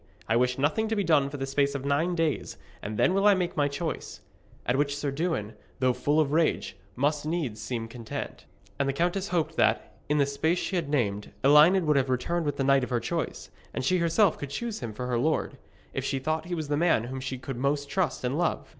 I wish nothing to be done for the space of nine days, and then will I make my choice.' At which Sir Dewin, though full of rage, must needs seem content. And the countess hoped that, in the space she had named, Elined would have returned with the knight of her choice, and she herself could choose him for her lord, if she thought he was the man whom she could most trust and love.